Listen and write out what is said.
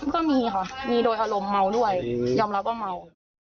ก็มีค่ะมีโดยอารมณ์เมาด้วยยอมรับว่าเมา